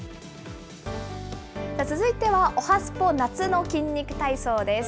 続いては、おはＳＰＯ、夏の筋肉体操です。